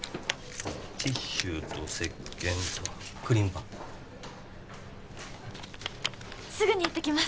ティッシュと石けんとクリームパンすぐに行ってきます